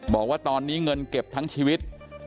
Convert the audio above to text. บอกว่าตอนนี้เงินเก็บทั้งชีวิต